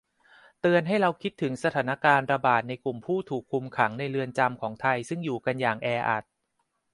เตือนให้เราคิดถึงสถานการณ์ระบาดในกลุ่มผู้ถูกคุมขังในเรือนจำของไทย ซึ่งอยู่กันอย่างแออัด